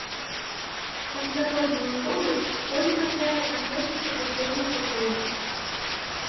Пасля кожнага ходу конь трапляе на клетку супрацьлеглага колеру.